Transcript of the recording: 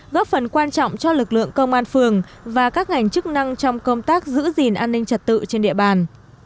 góp phần quan trọng cho lực lượng công an phường và các ngành chức năng trong công tác giữ gìn an ninh trật tự trên địa bàn